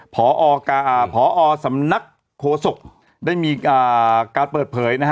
พอสำนักโคศกได้มีการเปิดเผยนะฮะ